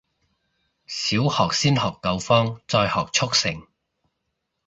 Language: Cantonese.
小學先學九方，再學速成